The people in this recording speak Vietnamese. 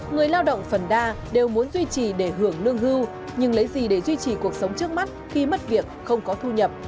người lao động phần đa đều muốn duy trì để hưởng lương hưu nhưng lấy gì để duy trì cuộc sống trước mắt khi mất việc không có thu nhập